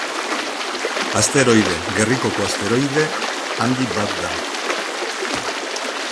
Asteroide gerrikoko asteroide handi bat da.